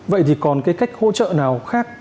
vậy thì còn cái cách hỗ trợ nào khác